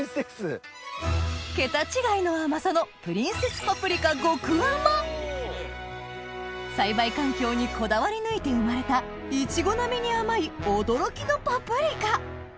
桁違いの甘さの栽培環境にこだわり抜いて生まれたイチゴ並みに甘い驚きのパプリカ